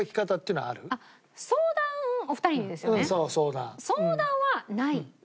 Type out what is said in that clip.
相談はない。